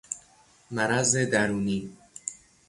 مرض درونی